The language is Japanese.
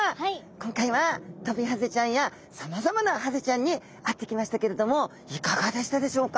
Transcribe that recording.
今回はトビハゼちゃんやさまざまなハゼちゃんに会ってきましたけれどもいかがでしたでしょうか？